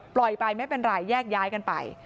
ไปไม่เป็นไรแยกย้ายกันไป